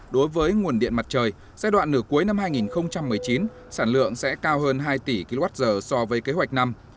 đối với nguồn điện mặt trời giai đoạn nửa cuối năm hai nghìn một mươi chín sản lượng sẽ cao hơn hai tỷ kwh so với kế hoạch năm